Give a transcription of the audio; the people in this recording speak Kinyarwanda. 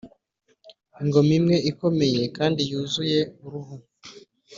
ingoma imwe ikomeye kandi yuzuye uruhu,